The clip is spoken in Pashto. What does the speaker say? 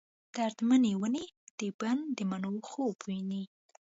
درد منې ونې د بڼ ، دمڼو خوب وویني